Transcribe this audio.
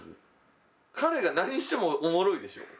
彼が何してもおもろいでしょ？